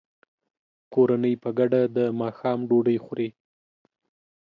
کورنۍ په ګډه د ماښام ډوډۍ خوري.